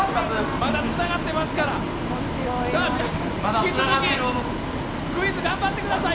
まだつながってますから、引き続きクイズ頑張ってください！